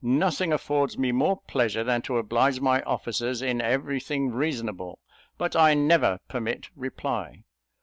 Nothing affords me more pleasure than to oblige my officers in every thing reasonable; but I never permit reply."